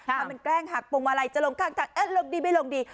ถ้ามันแกล้งหักพวงมาลัยจะลงข้างทางลงดีไม่ลงดี